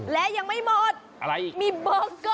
และยังไม่หมดมีเบอร์เกอร์